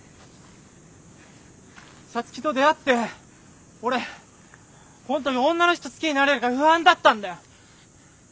皐月と出会って俺本当に女の人好きになれるか不安だったんだよ。